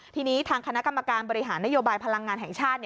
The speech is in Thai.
ทีนี้ทางคณะกรรมการบริหารนโยบายพลังงานแห่งชาติ